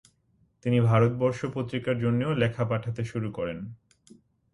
তিনি 'ভারতবর্ষ' পত্রিকার জন্যেও লেখা পাঠাতে শুরু করেন।